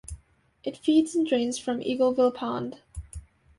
It feeds and drains from Eagleville Pond.